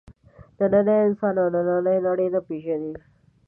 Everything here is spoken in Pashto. نننی انسان او نننۍ نړۍ نه پېژني.